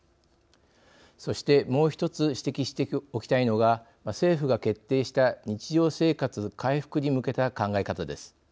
そしてもう１つ指摘しておきたいのが政府が決定した日常生活回復に向けた考え方です。